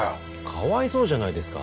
かわいそうじゃないですか。